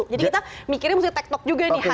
jadi kita mikirnya mesti tek tok juga nih hati hati